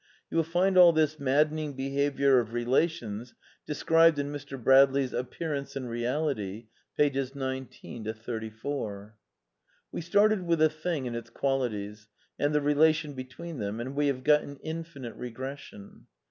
You will find all this , maddening behaviour of relations described in Mr. Brad / ley's Appearam^e and Reality, pages nineteen to thirty [ four. We started with a thing and its qualities, and the rela tion between them, and we have got an infinite regression.